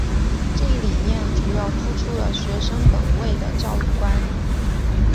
这一理念主要突出了学生本位的教育观。